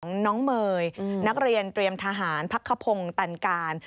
น้องเมย์นักเรียนเตรียมทหารพักขพงศ์ตันการ